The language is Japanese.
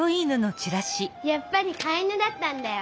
やっぱりかい犬だったんだよ。